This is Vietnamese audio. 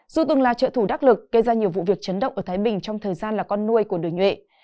dù từng là trợ thủ đắc lực gây ra nhiều vụ việc chấn động ở thái bình trong thời gian là con nuôi của đứa nhuệ